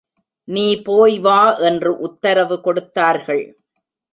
நீ போய் வா என்று உத்தரவு கொடுத்தார்கள்.